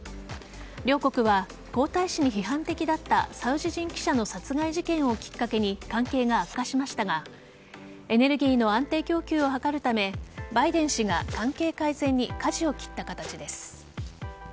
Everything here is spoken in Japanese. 両国は皇太子に批判的だったサウジ人記者の殺害事件をきっかけに関係が悪化しましたがエネルギーの安定供給を図るためバイデン氏が関係改善に舵を切った形です。